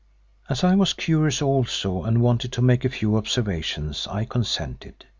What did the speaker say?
As I was curious also and wanted to make a few observations, I consented.